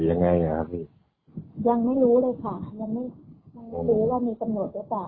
ยังไงอ่ะพี่ยังไม่รู้เลยค่ะยังไม่รู้ว่ามีกำหนดหรือเปล่า